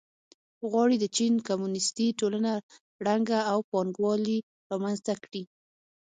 غواړي د چین کمونېستي ټولنه ړنګه او پانګوالي رامنځته کړي.